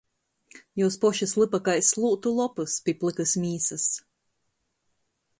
Juos pošys lypa kai slūtu lopys pi plykys mīsys.